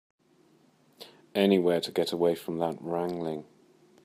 Anywhere to get away from that wrangling.